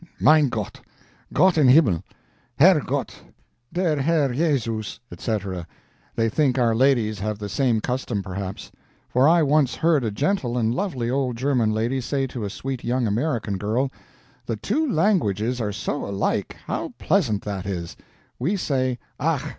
"Mein Gott!" "Gott in Himmel!" "Herr Gott" "Der Herr Jesus!" etc. They think our ladies have the same custom, perhaps; for I once heard a gentle and lovely old German lady say to a sweet young American girl: "The two languages are so alike how pleasant that is; we say 'Ach!